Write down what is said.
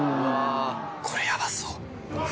これヤバそう。